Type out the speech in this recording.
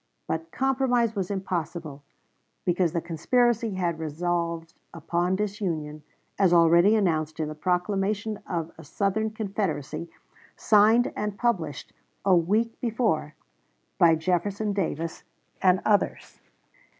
But compromise was impossible, because the conspiracy had resolved upon disunion, as already announced in the proclamation of a Southern Confederacy, signed and published a week before by Jefferson Davis and others.